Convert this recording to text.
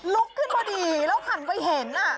ลุกขึ้นพอดีแล้วหันไปเห็น